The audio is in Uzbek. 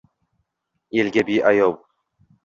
Elga beayov.